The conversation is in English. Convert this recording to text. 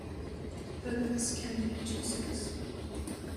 Beggars can't be choosers.